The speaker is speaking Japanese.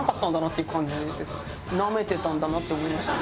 なめてたんだなって思いましたね